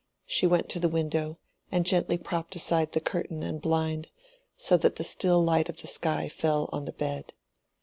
She went to the window and gently propped aside the curtain and blind, so that the still light of the sky fell on the bed.